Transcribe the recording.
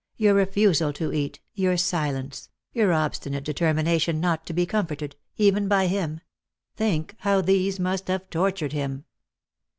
Your refusal to eat — your silence — your obstinate determination not to be comforted, even by him — think how these must have tortured him.